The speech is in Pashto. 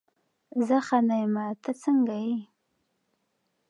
زه ښه نه یمه، ته څنګه یې؟